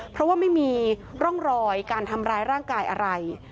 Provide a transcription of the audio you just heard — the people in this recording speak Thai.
เพราะว่าไม่มีร่องรอยการทำร้ายร่างกายอะไร